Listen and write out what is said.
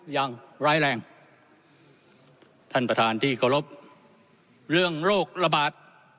อย่างร้ายแรงท่านประธานที่เคารพเรื่องโรคระบาด